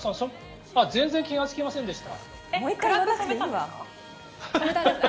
全然気がつきませんでした。